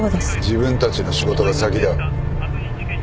自分たちの仕事が先だ。